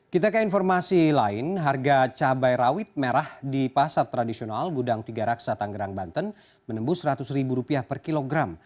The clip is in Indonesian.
kita ke informasi lain harga cabai rawit merah di pasar tradisional gudang tiga raksa tanggerang banten menembus rp seratus per kilogram